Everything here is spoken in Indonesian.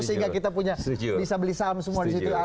sehingga kita punya bisa beli saham semua di situ